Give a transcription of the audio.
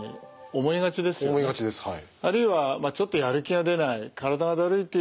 思いがちですはい。